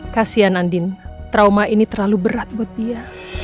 kasian andin trauma ini terlalu berat buat dia